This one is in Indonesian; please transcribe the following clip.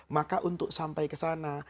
maka untuk sampai kesana